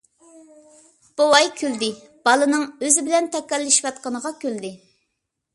بوۋاي كۈلدى، بالىنىڭ ئۆزى بىلەن تاكاللىشىۋاتقىنىغا كۈلدى.